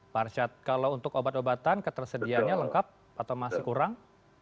pak arsyad kalau untuk obat obatan ketersediaannya lengkap atau masih kurang